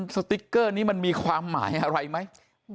สติ๊กเกอร์นี้มันมีความหมายอะไรไหม